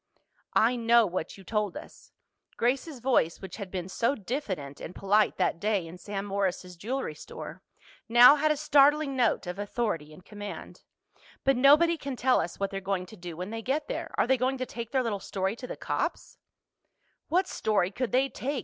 "I know what you told us." Grace's voice, which had been so diffident and polite that day in Sam Morris's jewelry store, now had a startling note of authority and command. "But nobody can tell us what they're going to do when they get there. Are they going to take their little story to the cops?" "What story could they take?"